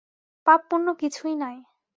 পাপপুণ্য কিছুই নাই।